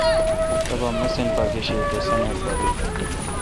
تبا مِسین پا گشے تے سانیٹ پا دے۔